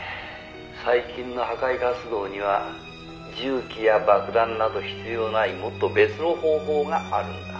最近の破壊活動には銃器や爆弾など必要ないもっと別の方法があるんだ」